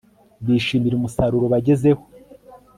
bishimira umusaruro bagezeho